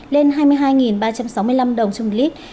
lên hai mươi hai ba trăm sáu mươi năm đồng trên một lít